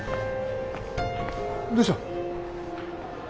どうした？